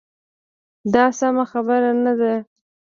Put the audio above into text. دا سمه خبره نه ده.